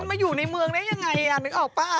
มันมาอยู่ในเมืองได้ยังไงนึกออกป่ะ